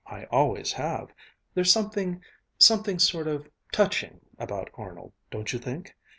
I always have. There's something ... something sort of touching about Arnold, don't you think?